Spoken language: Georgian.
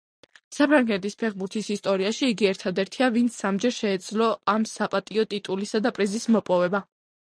საფრანგეთის ფეხბურთის ისტორიაში იგი ერთადერთია, ვინც სამჯერ შეძლო ამ საპატიო ტიტულისა და პრიზის მოპოვება.